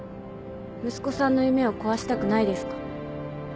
息子さんの夢を壊したくないですか？